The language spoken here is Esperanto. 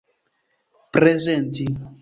prezenti